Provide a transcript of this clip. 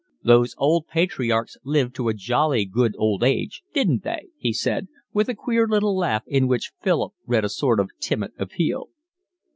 "Those old patriarchs lived to a jolly good old age, didn't they?" he said, with a queer little laugh in which Philip read a sort of timid appeal.